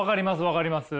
分かります。